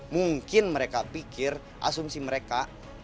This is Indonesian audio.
mungkin mereka pikir asumsi mereka